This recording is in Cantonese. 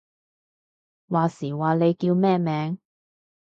話時話，你叫咩名？